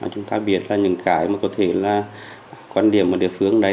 chúng ta biết là những cái mà có thể là quan điểm của địa phương đấy